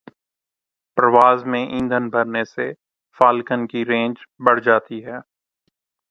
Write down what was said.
پرواز میں ایندھن بھرنے سے فالکن کی رینج بڑھ جاتی ہے۔